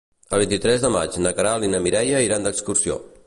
El vint-i-tres de maig na Queralt i na Mireia iran d'excursió.